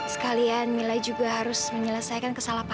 sekalian mila juga harus menyelesaikan kesalahan